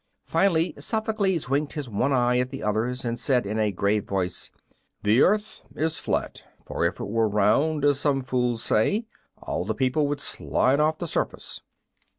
Finally Sophocles winked his one eye at the others and said, in a grave voice, "The earth is flat; for, were it round, as some fools say, all the people would slide off the surface."